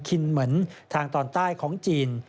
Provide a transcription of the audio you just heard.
คินเหมือนทางตอนใต้ของจีน